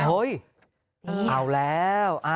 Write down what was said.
เฮ้ยเอาแล้ว